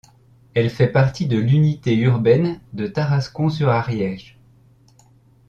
Elle fait partie de l'unité urbaine de Tarascon-sur-Ariège.